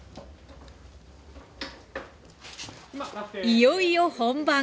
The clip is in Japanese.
いよいよ本番！